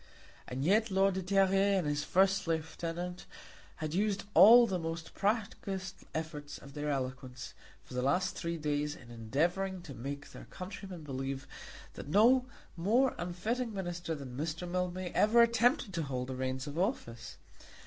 And yet Lord de Terrier and his first lieutenant had used all the most practised efforts of their eloquence for the last three days in endeavouring to make their countrymen believe that no more unfitting Minister than Mr. Mildmay ever attempted to hold the reins of office!